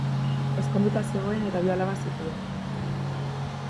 Ezkonduta zegoen eta bi alaba zituen.